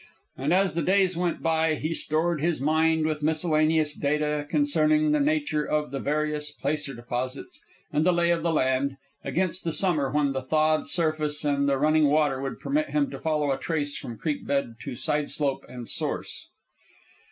And as the days went by he stored his mind with miscellaneous data concerning the nature of the various placer deposits and the lay of the land, against the summer when the thawed surface and the running water would permit him to follow a trace from creek bed to side slope and source.